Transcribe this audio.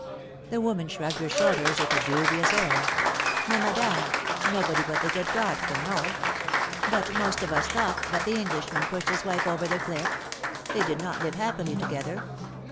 The woman shrugged her shoulders with a dubious air. "Mais, madame. Nobody but the good God can know : but most of us thought that the Englishman pushed his wife over the cuff. They did not live happily together.